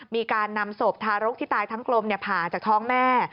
มีการนำศพทารกที่ตายทั้งกลมผ่าจากท้องแม่